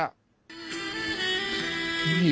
คนมีตรงไทย